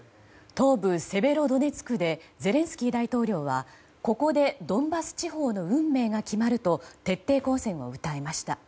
東部セベロドネツクでゼレンスキー大統領はここでドンバス地方の運命が決まると徹底抗戦を訴えました。